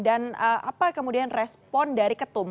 dan apa kemudian respon dari ketum